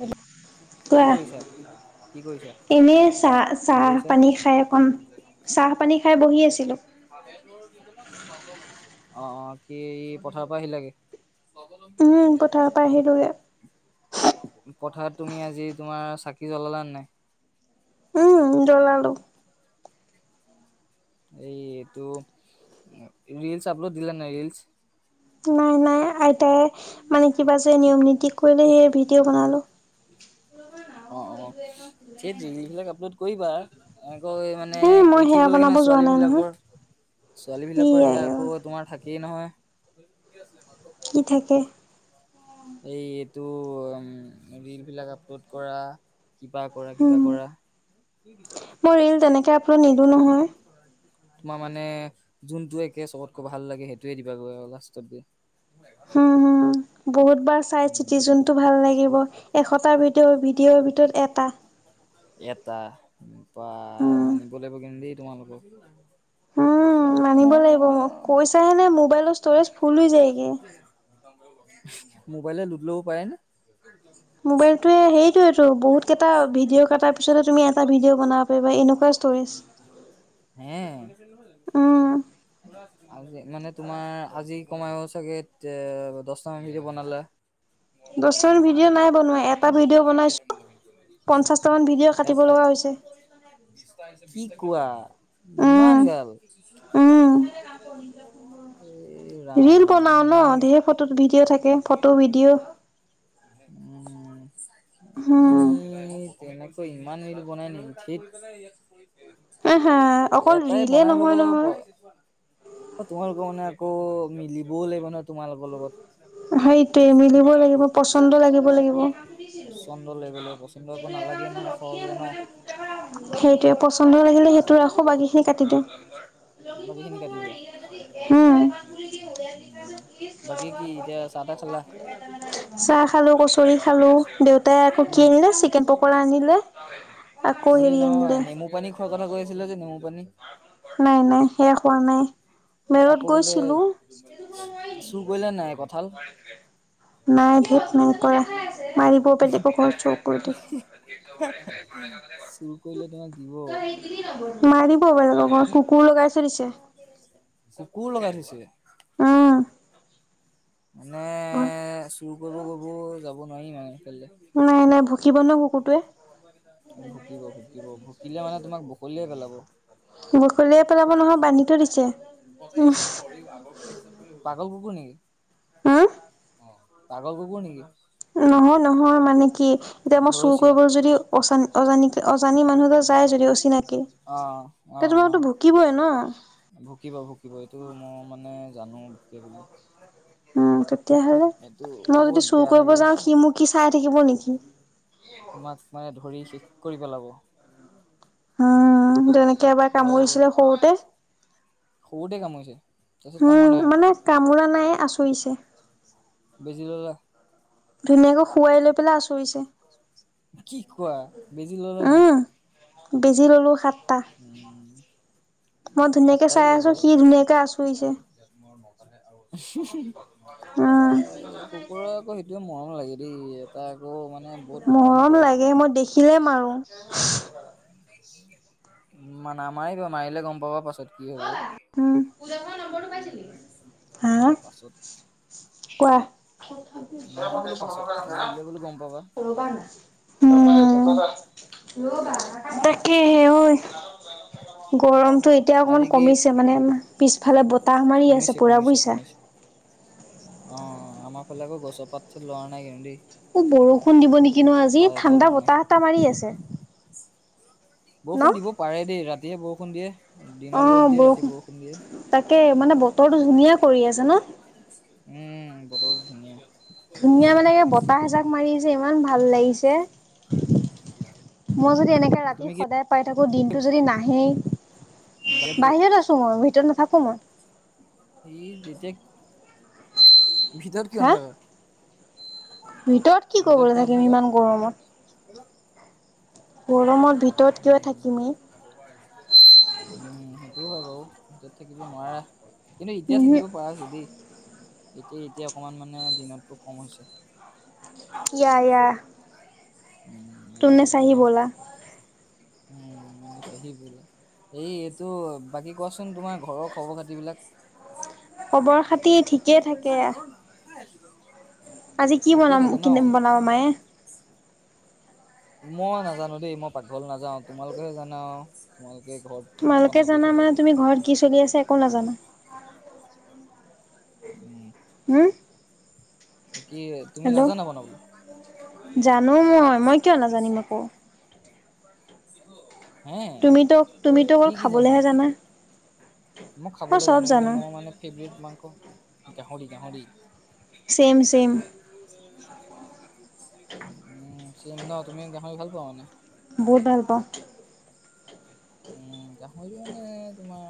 Hello কি, কৰিছা। কি কৰিছা? এনে চাহ, কি চাহ কৰিছা? পানী খাই অকণ চাহ, পানী খাই বহি আছিলো। অ', অ', কি এই পথাৰৰ পৰা উম আহিলা, পথাৰৰ পৰা আহিলোগে গে। স্বাৱলম্বীবি। পথাৰত তুমি আজি তোমাৰ চাকি জ্বলালাে নাই। উম জলালো। এইটো, ৰলচ আপলোড দিল নাই, ৰলছ। নাই, নাই আইতাই মানে কিবা যে নিয়ম নীতি কৰিলে সেই ভিডিঅ' বনালো। [unintelligible] অ', অ', সেই ৰীলবিলাক আপলোড কৰিবা। ঐ মানে, এ মই কৰি সেয়া থাকিব লাগে, বনাব নহয়, যোৱা নাই নহয় ছোৱালীবিলাকৰ। ই ছোৱালীবিলাকৰ আই সেয়া অ আকৌ তোমাৰ থাকেই, নহয়। কি, থাকে? টো, ৰীলবিলাক আপলোড কৰা। কিবা কৰা, উম কিবা কৰা। মই নিদিওঁ, নহয়। তোমাৰ মানে, যোনটো একে সবতকৈ ভাল লাগে, সেইটোৱে দিবাগৈ, আৰু লাষ্টতগৈ। হুম, হুম, বহুতবাৰ চাই, উম, চিতি যোনটো ভাল লাগিব, এশটা ভিডিঅ', ভিডিঅ'ৰ ভিতৰত এটা। এটা, বাহ উম মানিব লাগিব কিন্তু দেই তোমালোকক। উম, ছোৱালী মানিব লাগিব মানুহৰ মোক। কৈছাহে নে, মোবাইলৰ ষ্ট'ৰেজ ফুল হৈ যায়গে। মোবাইলে ল'ড ল'ব পাৰে, নে? মোবাইলটোৱে, সেইটোৱেটো, বহুত কেইটা ভিডিঅ' তাৰপিছতহে তুমি এটা ভিডিঅ' বনাব পাৰিবা, এনেকুৱা ষ্ট'ৰেজ। হে, উম আজি মানে তোমাৰ আজি কমেও চাগে অহ, দহটামান ভিডিঅ' বনালা? দহটা ভিডিঅ' নাই। বনোৱা, এটা ভিডিঅ' বনাইছো, পঞ্চাশটা মান ভিডিঅ' এ কাটিব এ লগা হৈছে। [inaudible] কি কোৱা। ইমান উম জালা, উম ঐ ৰাম। অ, ইমান গাল। ধেৰ ফটোত ভিডিঅ' থাকে, ফটো ভিডিঅ'। উম। তুমি হুম। তেনেকৈ ইমান ৰীল বনাই নেকি? থেইট। আহ, হা, অকল ৰীলে নহয়, ল'বা নহয়। প- অ, তোমালোকৰ মানে আকৌ মিলিবও লাগিব নহয়, তোমালোকৰ লগত। সেইটোৱে মিলিব লাগিব। পচ পচন্দ লাগিব লাগিব। পচন্দ আকৌ নালাগে নহয় সহজে ন। সেইটোৱে, পচন্দ লাগিলে সেইটো ৰাখোঁ। বাকীখিনি কাটি বাকী খিনি কাটি দিয়া। উম, বাকী কি [unintelligible] [inaudible] অ'। [unintelligible] খালোঁ, কচ'ৰি খালোঁ, দেউতাই আকৌ কি উম, আনিলে চিকেন পকৰা আনিলে। আকৌ তুমি হেৰি নহয়, আনিলে নেমু পানী খোৱাৰ কথা কৈ আছিলা যে, নেমু পানী। নাই, নাই, সেয়া খোৱা নাই। মেৰত আকৌ বোলে, গৈছিলো। চুৰ কৰিলে নে নাই কঁঠাল? নাই, ধেৎ নাই কৰা, মাৰিব বেলেগৰ কঁঠাল চোৰ কৰিলে। চুৰ [unintelligible] কৰিলে তোমাক দিব মাৰিব, বেলেগৰ ঘৰত লগত কুকুৰ লগাই থৈ দিছে। কুকুৰ লগাই থৈছে? অ'। [unintelligible] মানে, চুৰ কৰিব ক'বও যাব নোৱাৰিম আৰু। নাই, নাই ভুকিব ন' কুকুৰটোৱে। ভুকিব, ভুকিব, ভুকিলে মানে তোমাক বখলিয়াই পেলাব। বখলিয়াই পে পাগল কুকুৰ নেকি? উম পাগল কুকুৰ নেকি? নহয়। নহয় মানে কি এতিয়া মই চুৰ ঘৰচীয়া কৰিবলৈ যদি অজানি অজানি মানুহ যায় যদি অচিনাকি অ' তে অ', তোমাকতো অ', ভুকিবই ন। ভুকিব ভুকিব এইটো মই মানে জানো ভুকে বুলি। উম তেতিয়াহ'লে, এইটো মই যদি বহুত চুৰ বেয়া কৰিব থাকে। যাওঁ সি মোক কি চাই থাকিব নেকি? তোমাক মানে ধৰি শেষ কৰি পেলাব। উম তেনেকে এবাৰ আৰু কামুৰিছিলে সৰুতে সৰুতে কামুৰিছে? তাৰপিছত কামোৰা উম নাই আৰু মানে কামোৰা নাই আচুৰিছে। বেজি ল'লা? ধুনীয়াকে শুৱাই লৈ পেলাই আচুৰিছে। কি কোৱা, বেজি ল'ল নে নাই? উম বেজি ল'লো সাত উম মই ধুনীয়াকে সাপ্তাহে চাই দিয়ে আছো, বাৰু। অ' সি ধুনীয়াকে আচ এই কুকুৰ আকৌ সেইটোৱে উম মৰম। লাগে দেই এটাক মৰম লাগে, মই দেখিলেই মাৰো। নামাৰিবা, মাৰিলে গ'ম পাবা পাছত কি হ'ব। উম হা তাৰপাছত কোৱা? [unintelligible] বোলো পাছত কামুৰিলে বোলো গম পাবা ব নাই তাকেহে, গৰম টো এতিয়া আজি অকণমান কি কমিছে, মানে পিছফালে বতাহ মাৰি আছে কমিছে পুৰা কমিছে বুজছা। কমিছে। অ' আমাৰ ফালে আকৌ গছৰ পাত লৰা নাই কিন্তু দেই। অ' বৰষুণ দিব নেকি ন আজি। পাত এটাও ঠাণ্ডা লৰা নাই। বতাহ এটা মাৰি আছে। ন? বৰষুণ দিব পাৰে দেই, ৰাতিয়ে বৰষুণ দিয়ে দিনত ৰ'দ দিয়ে ৰাতি বৰষুণ দিয়ে। তাকে মানে বতৰটো ধুনীয়া কৰি আছে। ন উম', বতৰটো ধুনীয়া। ধুনীয়া মানে বতাহ এজাক মাৰি আছে। ইমান ভাল লাগিছে। মই যদি এনেকে ৰাতি তুমি কি সদায় পাই থাকো। দিনতটো যদি নাহেই। বাহিৰত আছো মই। ভিতৰত নাথাকো মই। সি যেতিয়া ভিতৰত কিয় হা নাথাকা? ভিতৰত কি কবলৈ কিয় থাকিম নাথাকা? ইমান গৰমত গৰমৰ ভিতৰত কিয় থাকিমে। উম', সেইটোও হয় বাৰু ভিতৰত থাকিব নোৱাৰা। কিন্তু এতিয়া উমহু থাকিব পৰা হৈছিল দেই এতিয়া এতিয়া অকমান মানে দিনতকৈ কম হৈছে। এয়া এয়া উম ইয়া তুমনে ইয়া চাহ ন ব'ল উম', [unintelligible] চাহি [unintelligible] এই এইটো বাকী কোৱাচোন তোমাৰ ঘৰৰ খবৰ খাতিবলাক। খবৰ খাতি ঠিকেই থাকে। [unintelligible] আজি কি ঠিকে বনাম থাকে কি ন? বনাব মায়ে? মই নাজানো দেই মই পাকঘল নাাজাও। তোমালোকেহে জানা তোম তোমালোকে জানা মানে তুমি ঘৰত কি চলি আছা একো নাজানা। [unintelligible] উম হম কি তুমি হেল্ল' নাজানা বনাবলৈ জানো মই মই কিয় নাজানিম আকৌ কিহ তুমিতো তুমিতো অল খাবলেহে জানা। মই খাবলৈ জানো কিন্তু মোৰ মানে ফেভট মাংস গাহৰি গাহৰি। ছেম ছেম উম চম ন তুমি গাহৰি ভাল পোৱা মানে বহুত ভাল পাওঁ। উম গাহৰি মানে তোমাৰ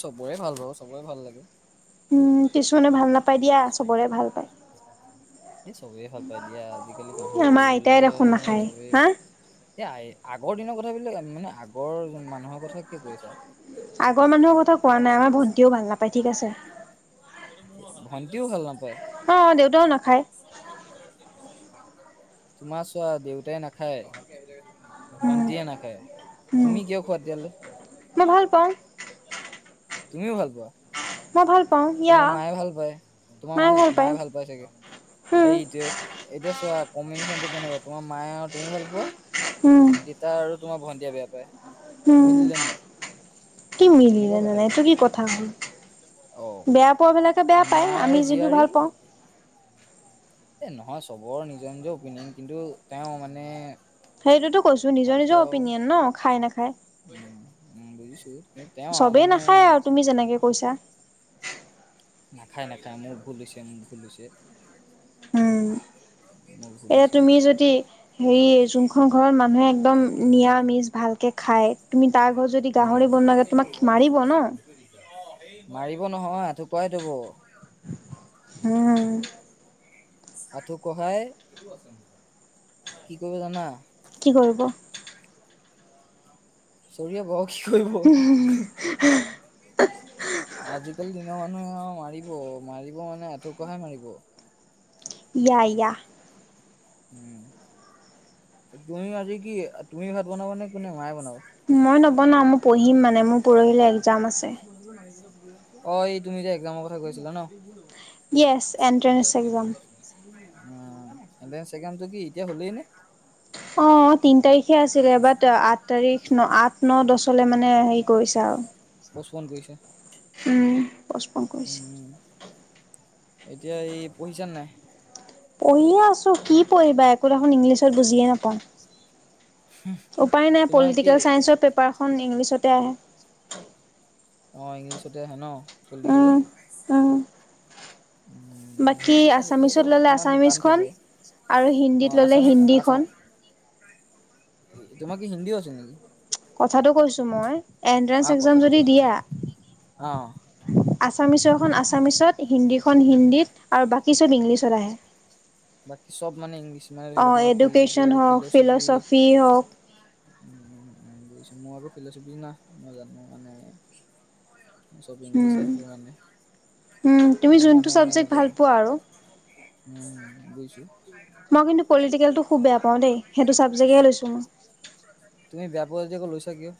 চবৰে ভাল বাৰ চবৰে ভাল লাগে। উম কিছুমানে ভাল নাপায়। দিয়া চবৰে ভাল পায়। এই চবেই ভাল পায় দিয়া আজিকালি গাহৰি আমাৰ বুলিবলে আইতাই দেখোন নাখায় চবেই হা এ, আগৰ দিনৰ কথা বিলাক মানে আগৰ মানুহৰ কথা কি কৈছা। আগৰ মানুহৰ কথা কোৱা নাই। আমাৰ ভন্টিও ভাল নাপায় ঠিক আছে। ভণ্টিও ভাল নাপায়। অ', দেউতাও না তোমাৰ চোৱা দেউতাই নাখায়। উম ভণ্টিয়ে নাখায় উম তুমি কিয় খোৱা মই তেতিয়ালৈ? ভাল পাওঁ তুমিও ভাল পোৱা? মই ভাল পাওঁ ইয়া তোমাৰ মায়ে ভাল পায় তোমাৰ ম মায়ে ভাল পায় চাগে। উম এইটোয়া এতিয়া চোৱা কম্বিনেশ্যনটো কেনেকুৱা তোমাৰ মায়ে আৰু তুমি ভাল উম পোৱা দেতা আৰু তোমাৰ ভন্টিয়ে বেয়া পায়। উম, মিলিলে নাই কি তেনেকুৱা মিলিলে নানাই এইটো কথাবিলাক কি কথা হল অ বেয়া। কপৰবিলাকে বেয়া পায়। মাৰ আমি আৰু যিটো জীয়াৰী ভাল পাওঁ। এ নহয় চবৰ নিজৰ নিজৰ অপিনিয়ন কিন্তু তেওঁ মানে সেইটোতো কৈছো নিজৰ নিজৰ অপিনিয়ন ন খাই নাখায়। উ উ বুজিছো কিন্তু তেওঁ আৰু চবেই মানে নাখায় আৰু তুমি যেনেকে কৈছা নাই খাই না খাই মোৰ ভুল হৈছে। মোৰ ভুল হৈছে। উম মোৰ ভুল এয়া হৈছে তুমি যদি হেৰি যোনখন ঘৰত মানুহে একদম নিৰামিষ ভালকে খাই তুমি তাৰ ঘৰত যদি উম গাহৰি বনোৱা থাকে তোমাক মাৰিব ন। মাৰিব নহয় আথু কহৱাই থ'ব। উম। আঁঠু কহাই কি কৰিব জানা। কি কৰিব? চৰিয়া ব আৰু কি কৰিব। আজিকালি দিনৰ মানুহে মাৰিব মাৰিব মানে আঠু কহাই মাৰিব। ইয়া ইয়া। উম, তুমি আজি কি তুমি ভাত বনাবা নে কোনে মায়ে বনাব। মই নবনাও মই পঢ়িম মানে মোৰ পুৰহিলে এক অ', এই তুমি যে এক্জামৰ কথা কৈছিলা ন। [inaudible] য়েছ এণ্ট্ৰেন্স এক্সাম। উম, এনট্ৰেচ একজামটো কি এতিয়া হ'লেই নে? অ', তিন তাৰিখে আছিলে বাট আঠ তাৰিখ ন আঠ ন দহ লে মানে হেৰি কৰিছা আৰু। পচপন কৰিছে। উম, পচপন কৰিছে। উম, এতিয়া এই পঢ়িচা নাই? পঢ়িয়ে আছো কি পঢ়িবা একো দেখোন ইংলিছত বুজিয়ে নাপাওঁ। উপায় নাই তোমাৰ কি পলিটিকেল চাইন্ঞ্চৰ পেপাৰখন ইংলিছতে আহে। অ', ইংলিছতে আহে ন পলিটিকেলৰ। উম, উম, উম। বাকী ইংলিছত আহিলে আছামিছত বাৰু ল'লে অকমান টান আছামিজখন থাকে। আৰু অ', হিন্দীত ল'লে আছামি আছাম হিন্দীখন। তোমাৰ কি হিন্দীও আছে নেকি? কথাটো কৈছো মই আ, এনট্ৰেন্স একজাম কথাটো যদি কৈছা অ'। দিয়া। আছামিছখন আছামিছত হিন্দীখন হিন্দীত আৰু বাকী চব ইংলিছত আহে। বাকী চব মানে ইংলিছ মানে ধৰি লওক অ', তোমাৰ এডুকেশ্যন পলিটিকেল হওক, ফিল'চফি। হওক, উম, উম বুজিছো মই আকৌ ফিল'চফিৰ না মই জানো মানে। চব ইংলিছ উম। আহিব মানে উম, তুমি মোৰ যোনটো মানে চাবজেক্ট এইবাৰ ভাল পোৱা আৰু। উম, বুজিছো। মই কিন্তু পলিটিকেলটো খুব বেয়া পাওঁ দেই সেইটো চাবজেক্ট এ লৈছো মই। তুমি বেয়া পোৱা যদি আকৌ লৈছা কিয়?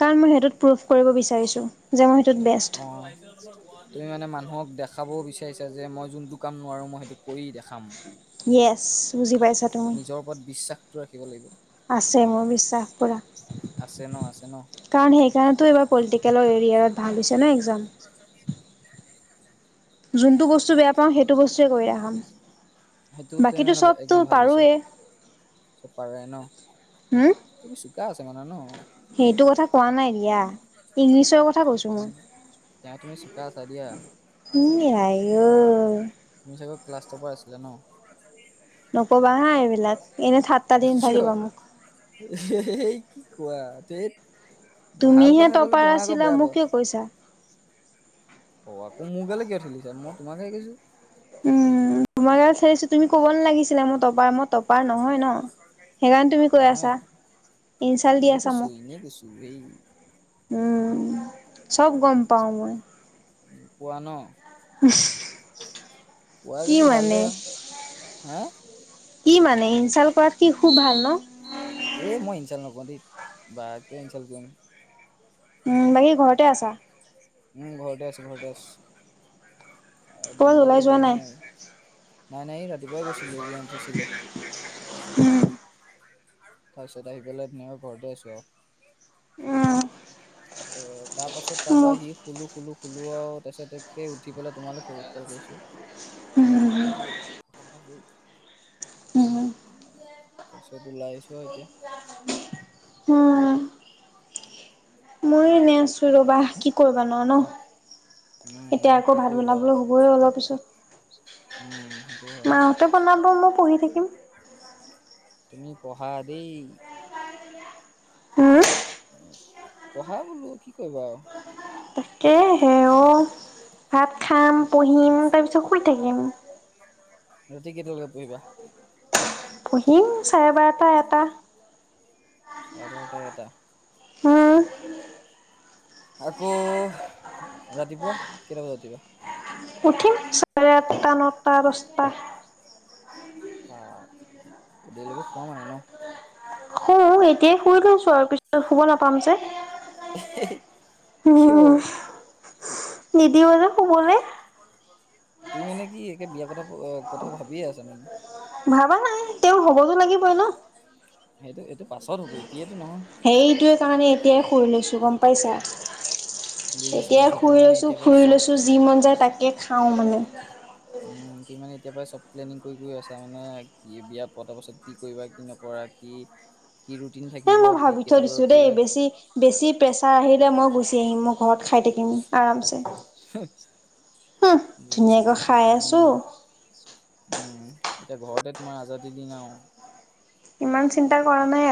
কাৰণ মই সেইটোত প্ৰোভ কৰিব বিচাৰিছোঁ। যে মই সেইটোত বেষ্ট। অ', তুমি মানে মানু অ', দেখাব বিচাৰিছো যে মই যোনটো কাম নোৱাৰো মই সেইটো কৰি দেখাম। য়েছ বুজি পাইছা তুমি। নিজৰ ওপৰত বিশ্বাসটো ৰাখিব লাগিব। আছে মোৰ বিশ্বাস পুৰা। আছে ন আছে ন কাৰণ সেইকাৰণেতো এইবাৰ পলিটিকেলৰ এৰিয়াত ভাল হৈছে ন একজাম। যোনটো বস্তু বেয়া পাওঁ সেইটো বস্তুৱে কৰি দেখাম। সেইটোতে বাকীতো মানে চবতো এক্জাম ভাল হৈছে পাৰুৱেই। চব পাৰায়ে ন তুমি চোকা আছা মানে ন। সেইটো কথা কোৱা নাই দিয়া ইংলিছৰ কথা সেই কৈছো মই। তুমি তেওঁ তুমি চোকা আছা দিয়া ই আইও। ক্লাছটোৰ পৰা আছিলে ন। নকবা হা এইবিলাক এনে ঠাতটা দি কিয়? নাথাকিবা মোক। এই কি কোৱা তে তুমিহে টপাৰ আছিলা মোকে কিয় কৈছা। অ', আকৌ মোৰ গালে কিয় ঠেলিছা মই তোমাক হে কৈইছো। উম, তোমাৰ তাত চাইিছো তুমি ক'ব নালাগিছিলে মোৰ তপাৰ মই টপাৰ নহয় ন। সেইকাৰণে তুমি কৈ আছা নহয়। ইনচাল্ট দি ইনে আছা কৈছো, মোক ইনে কৈছো হেই। উম, চব গম পাওঁ মই পোৱা ন। পোৱা কি যদি মানে? ভালহে হা কি মানে, ইনচাল্ট কৰাত কি খুব ভাল ন। এ, মই ইনচাল্ট নকৰো দে বা কি ইনচাল্ট কৰিম। উম, বাকী ঘৰতে আছা? উম, ঘৰতে আছোঁ ঘৰতে আছোঁ। ক'বাত ওলাই ফিল্ডলৈ যোৱা যোৱাই নাই আৰু নাই, নাই এ ৰাতিপুৱাই গৈছিলো জি এন চি চি লে। উম, তাৰ পিছত আহি পেলাই মই ঘৰতে আছোঁ আৰু। উম, এ, তাৰ পাছত তাৰ পৰা মোৰ সি শুলো, শুলো, শুলো। আৰু তাৰপিছত একে উঠি পেলাই তোমালৈ ফোন কৰিছো। উম, হৈ গ'ল কথা পতা হৈ গ'ল উম তাৰপিছত ওলাই আহিছো আৰু এতিয়া। উম, ময়ো এনে আছো ৰবা কি কৰিবা আৰু ন, হা উম এতিয়া আকৌ কি ভাত কৰিবা বনাবলৈ আৰু হ'বই অলপ পিছত উম সেইটো হয় মা হতে বনাব মই পঢ়ি থাকিম। তুমি পঢ়া দেই। হম, পঢ়া বোলো কি কৰিবা আৰু? তাকে হে অ', ভাত খাম পঢ়িম তাৰ পিছত শুই থাকিম। উম, ৰাতি কেটালৈকে পঢ়িবা? পঢ়িম চাৰে বাৰটা, এটা। চাৰে বাৰটা, এটা। উম, আকৌ ৰাতিপুৱা কেইটা বজাত উঠিবা? উঠিম চাৰে-আঠটা, নটা, দচটা। অ', দেৰিলৈকে শুৱা মানে ন? শু, এতিয়াই শুই লৈছো আৰু পিছত শুব নাপাম যে। কিয়? উম, নিদিব যে শুবলৈ। তুমি মানে কি, একে বিয়া কথা ভাবিয়ে আছা মানে? ভাবা নাই তেওঁ হ'বতো লাগিবই ন। সেইটো এইটো পাছত হ'ব এতিয়াতো নহয় সেইটোৱে কাৰণে এতিয়াই শুই লৈছো গম পাইছা। বুজিছো এতিয়া বুজিছো তুমি শুই মানে লৈছো, এতিয়াৰ পৰাই ফুৰি চব লৈছো যি মন যায় তাকে খাওঁ মানে। উম, [unintelligible] এতিয়াৰ পৰাই চব প্লেনিং কৰি গৈ আছা মানে, কি বিয়া পতাৰ পাছত কি কৰিবা কি নকৰা কি? কি ৰুটিন থাকে এ মই ভাবি থৈ দিছো দেই বেছি, বেছি প্ৰেছাৰ আহিলে মই গুচি আহিম, মোক ঘৰত খাই থাকিম আৰামছে। হুহ বুজিছোঁ, ধুনীয়াকৈ বুজিছোঁ খাই তুমি আছো উম। এতিয়া ঘৰতে তোমাৰ আজাদীৰ দিন আৰু। ইমান চিন্তা কৰা নাই আৰু